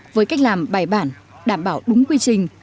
với cách làm bài bản đảm bảo đúng quy trình